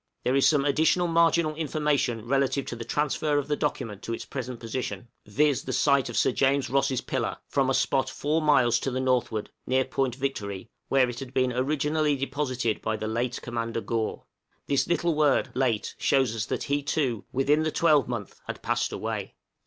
There is some additional marginal information relative to the transfer of the document to its present position (viz., the site of Sir James Ross' pillar) from a spot four miles to the northward, near Point Victory, where it had been originally deposited by the late Commander Gore. This little word late shows us that he too, within the twelvemonth had passed away.